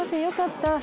よかった。